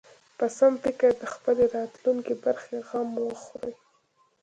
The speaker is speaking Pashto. په سم فکر د خپلې راتلونکې برخه غم وخوري.